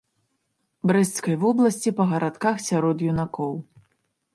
Брэсцкай вобласці па гарадках сярод юнакоў.